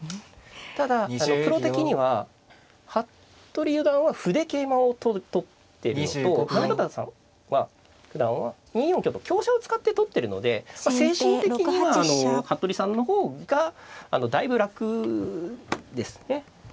ただプロ的には服部四段は歩で桂馬を取ってるのと行方九段は２四香と香車を使って取ってるので精神的には服部さんの方がだいぶ楽ですね。